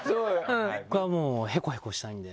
僕はもうへこへこしたいんで。